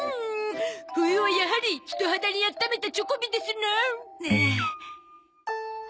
冬はやはり人肌にあっためたチョコビですな。